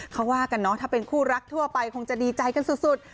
เขาว่ากันเนอะถ้าเป็นคู่รักทั่วไปคงจะดีใจกันสุด